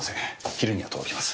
昼には届きます。